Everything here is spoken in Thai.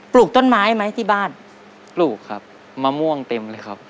ลูกต้นไม้ไหมที่บ้านปลูกครับมะม่วงเต็มเลยครับ